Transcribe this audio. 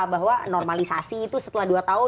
bahwa normalisasi itu setelah dua tahun